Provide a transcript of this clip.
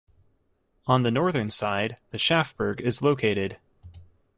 On the northern side, the Schafberg is located.